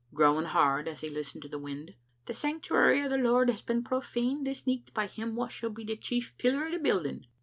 growing hard as he listened to the wind, '* the sanctuary o* the Lord has been profaned this nicht by him wha should be the chief pillar o' the building."